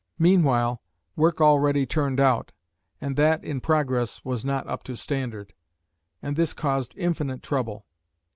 Meanwhile work already turned out and that in progress was not up to standard, and this caused infinite trouble.